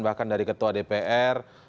bahkan dari ketua dpr